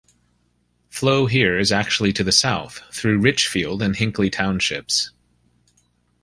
Flow here is actually to the south, through Richfield and Hinckley Townships.